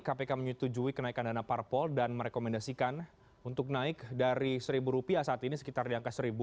kpk menyetujui kenaikan dana parpol dan merekomendasikan untuk naik dari rp satu saat ini sekitar di angka rp satu